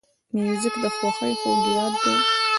موزیک د خوښۍ خوږ یاد دی.